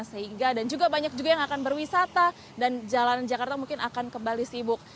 sehingga dan juga banyak juga yang akan berwisata dan jalanan jakarta mungkin akan kembali sibuk